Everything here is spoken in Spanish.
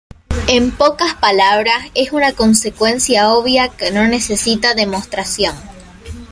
En pocas palabras, es una consecuencia obvia que no necesita demostración.